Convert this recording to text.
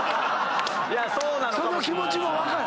その気持ちも分かる。